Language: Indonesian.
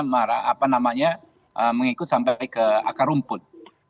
contohkan para elit dan akhirnya mengikut sampai ke akar rumput